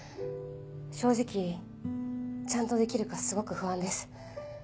正直ちゃんとできるかすごく不安です。